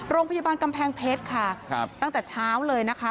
โรงพยาบาลกำแพงเพชรค่ะครับตั้งแต่เช้าเลยนะคะ